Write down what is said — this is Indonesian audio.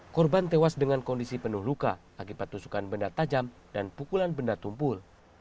korban tewas dengan kondisi penuh luka akibat tusukan benda tajam dan pukulan benda tumpul